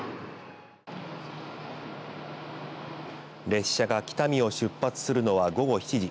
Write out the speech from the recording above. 列車が北見を出発するのは午後７時。